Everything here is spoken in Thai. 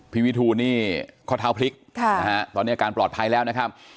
วิทูลนี่ข้อเท้าพลิกตอนนี้อาการปลอดภัยแล้วนะครับ